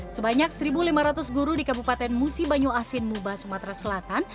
sebanyak satu lima ratus guru di kabupaten musi banyu asin muba sumatera selatan